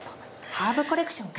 ハーブコレクションか。